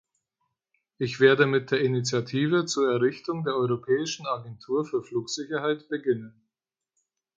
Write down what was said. Ich werde mit der Initiative zur Errichtung der Europäischen Agentur für Flugsicherheit beginnen.